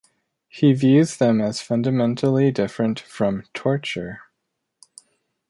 He views them as fundamentally different from 'torture'.